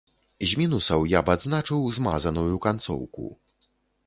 З мінусаў я б адзначыў змазаную канцоўку.